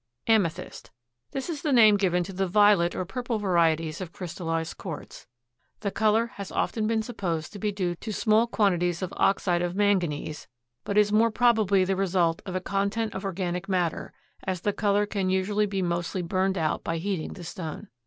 Amethyst.—This is the name given to the violet or purple varieties of crystallized quartz. The color has often been supposed to be due to small quantities of oxide of manganese, but is more probably the result of a content of organic matter, as the color can usually be mostly burned out by heating the stone.